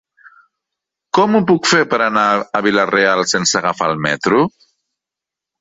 Com ho puc fer per anar a Vila-real sense agafar el metro?